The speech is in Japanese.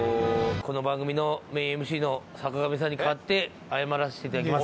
この番組のメインＭＣの坂上さんに代わって謝らせていただきます